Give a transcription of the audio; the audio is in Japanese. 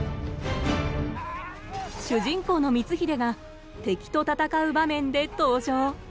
主人公の光秀が敵と戦う場面で登場。